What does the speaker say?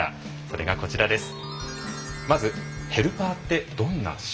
それがこちらです。